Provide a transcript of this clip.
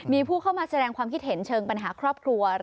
มีผู้เข้ามาแสดงความคิดเห็นเชิงปัญหาครอบครัว